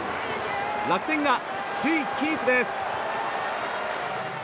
楽天が首位キープです。